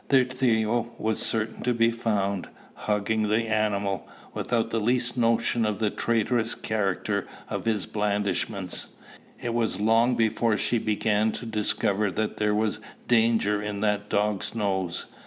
There Theo was certain to be found, hugging the animal, without the least notion of the traitorous character of his blandishments: it was long before she began to discover that there was danger in that dog's nose.